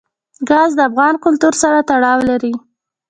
ګاز د افغان کلتور سره تړاو لري.